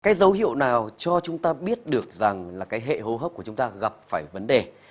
cái dấu hiệu nào cho chúng ta biết được rằng là cái hệ hô hấp của chúng ta gặp phải vấn đề